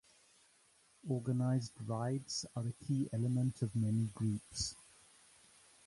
Organized rides are a key element of many groups.